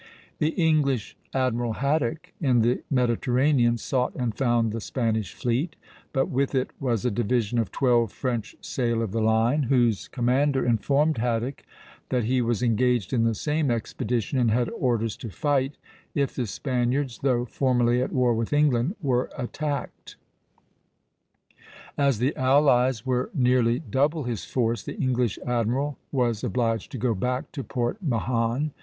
The English admiral Haddock, in the Mediterranean, sought and found the Spanish fleet; but with it was a division of twelve French sail of the line, whose commander informed Haddock that he was engaged in the same expedition and had orders to fight, if the Spaniards, though formally at war with England, were attacked. As the allies were nearly double his force, the English admiral was obliged to go back to Port Mahon.